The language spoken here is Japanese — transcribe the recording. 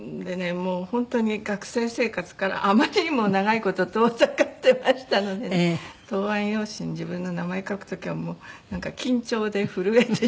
もう本当に学生生活からあまりにも長い事遠ざかってましたので答案用紙に自分の名前書く時は緊張で震えてしまって。